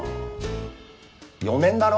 ４年だろ？